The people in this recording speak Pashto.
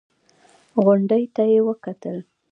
غونډۍ ته يې وکتل.